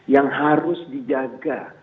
yang harus dijaga